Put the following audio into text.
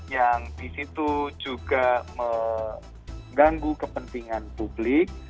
yang di situ juga mengganggu kepentingan publik